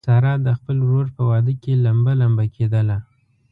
ساره د خپل ورور په واده کې لمبه لمبه کېدله.